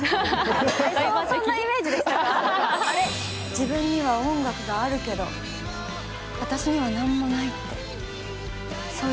自分には音楽があるけど私には何もないってそう言いたいわけ？